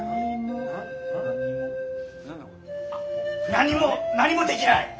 何も何もできない！